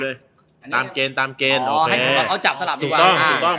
ตามเกรนตามเกรนตามเกรนโอเคเราก็เขาจับสลับดีกว่าถูกต้อง